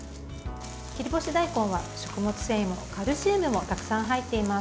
切り干し大根は食物繊維もカルシウムもたくさん入っています。